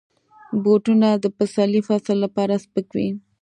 بوټونه د پسرلي فصل لپاره سپک وي.